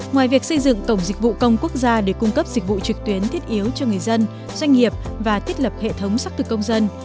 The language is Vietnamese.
ngoài việc xây dựng cổng dịch vụ công quốc gia để cung cấp dịch vụ trực tuyến thiết yếu cho người dân doanh nghiệp và thiết lập hệ thống xác thực công dân